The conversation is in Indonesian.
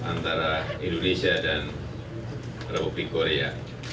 antara indonesia dan republik korea